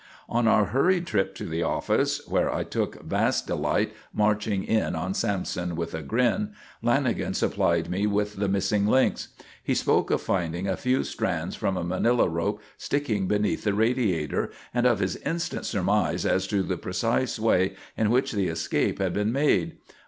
On our hurried trip to the office where I took vast delight marching in on Sampson with a grin Lanagan supplied me with the missing links. He spoke of finding a few strands from a manila rope sticking beneath the radiator and of his instant surmise as to the precise way in which the escape had been made.